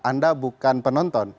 anda bukan penonton